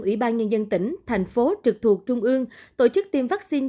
ủy ban nhân dân tỉnh thành phố trực thuộc trung ương tổ chức tiêm vaccine